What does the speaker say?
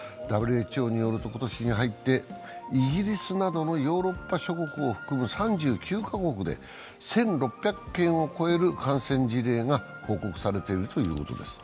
ＷＨＯによると今年に入ってイギリスなどのヨーロッパ諸国を含む３９カ国で１６００件を超える感染事例が報告されているということです。